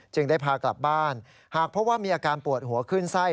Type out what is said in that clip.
ได้พากลับบ้านหากพบว่ามีอาการปวดหัวขึ้นไส้